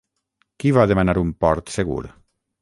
Qui va demanar un port segur?